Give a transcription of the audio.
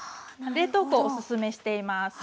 冷凍庫おすすめしています。